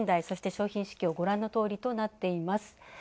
そして、商品市況ご覧のとおりとなっています。